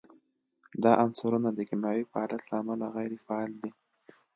دا عنصرونه د کیمیاوي فعالیت له امله غیر فعال دي.